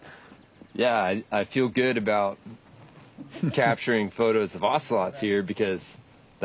そうですね。